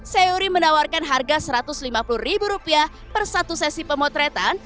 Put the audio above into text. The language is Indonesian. seori menawarkan harga rp satu ratus lima puluh per satu sesi pemotretan